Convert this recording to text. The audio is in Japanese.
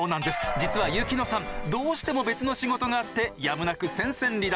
実は雪乃さんどうしても別の仕事があってやむなく戦線離脱。